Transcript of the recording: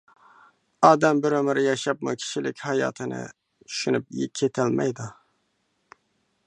ئادەم بىر ئۆمۈر ياشاپمۇ كىشىلىك ھاياتنى چۈشىنىپ كېتەلمەيدۇ.